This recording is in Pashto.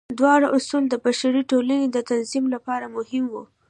دواړه اصول د بشري ټولنې د تنظیم لپاره مهم وو.